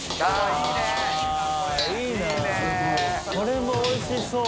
いい諭これもおいしそう。